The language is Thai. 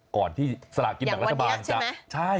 ก่อนที่ศาลากิจหนักรัฐบาลจะอย่างวันเดียใช่ไหม